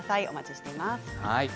お待ちしています。